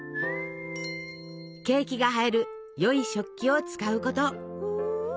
ケーキが映えるよい食器を使うこと。